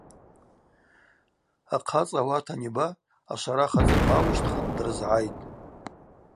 Ахъацӏа ауат аниба ашварах ацӏыхъва ауищтхын дрызгӏайтӏ.